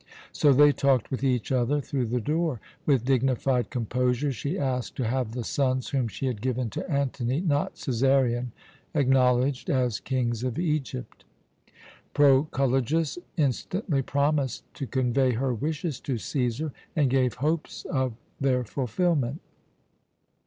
"So they talked with each other through the door. With dignified composure, she asked to have the sons whom she had given to Antony not Cæsarion acknowledged as Kings of Egypt. "Proculejus instantly promised to convey her wishes to Cæsar, and gave hopes of their fulfilment.